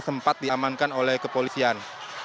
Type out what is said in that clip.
sempat diamankan oleh kepolisian